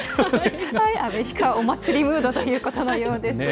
アメリカ、お祭りムードということのようです。